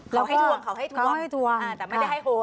เขาให้ทวงแต่ไม่ได้ให้โหด